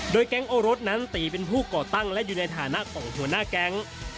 แก๊งโอรสนั้นตีเป็นผู้ก่อตั้งและอยู่ในฐานะของหัวหน้าแก๊ง